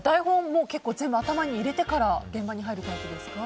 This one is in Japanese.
もう全部頭に入れてから現場に入るタイプですか？